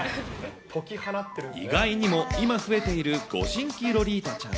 意外にも今増えているご新規ロリータちゃん。